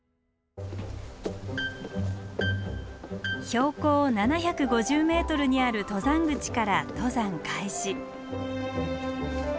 標高７５０ｍにある登山口から登山開始。